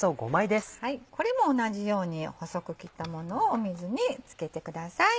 これも同じように細く切ったものを水に漬けてください。